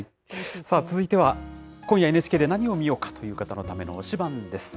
続いては、今夜ＮＨＫで何を見ようかという方のための推しバンです。